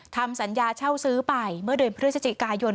ทำสัญญาเช่าซื้อไปเมื่อเดือนพฤศจิกายน